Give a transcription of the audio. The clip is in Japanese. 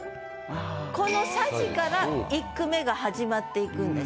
この「匙」から一句目が始まっていくんです。